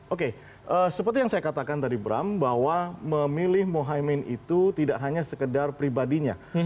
oke seperti yang saya katakan tadi bram bahwa memilih mohaimin itu tidak hanya sekedar pribadinya